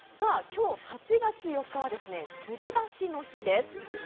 今日、８月４日はつり橋の日です。